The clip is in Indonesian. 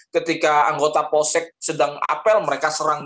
ketika anggota posek sedang apel mereka serang